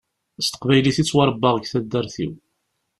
S teqbaylit i d-ttwaṛebbaɣ deg taddart-iw.